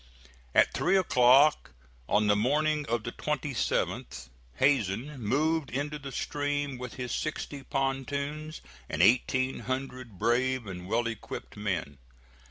At three o'clock on the morning of the 27th, Hazen moved into the stream with his sixty pontoons and eighteen hundred brave and well equipped men.